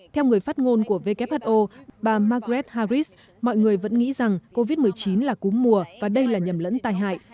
theo người phát ngôn của who bà margaret harris mọi người vẫn nghĩ rằng covid một mươi chín là cú mùa và đây là nhầm lẫn tai hại